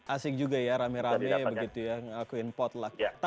asik juga ya rame rame begitu ya ngelakuin potluck